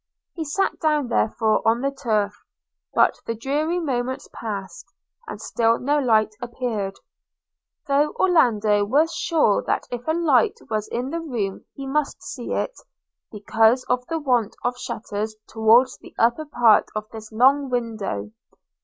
He sat down therefore on the turf; but the dreary moments passed, and still no light appeared – though Orlando was sure that if a light was in the room he must see it, because of the want of shutters towards the upper part of this long window.